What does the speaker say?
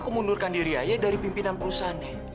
aku mundurkan diri aja dari pimpinan perusahaan nek